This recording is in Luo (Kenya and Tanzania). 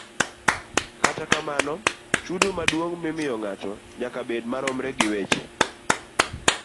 Kata kamano, chudo maduong' mimiyo ng'ato nyaka bed maromre gi weche